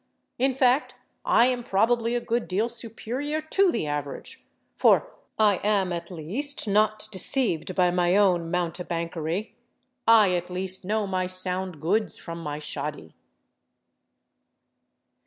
In fact, I am probably a good deal superior to the average, for I am at least not deceived by my own mountebankery—I at least know my sound goods from my shoddy."